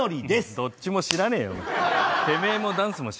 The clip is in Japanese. どっちも知らないよ！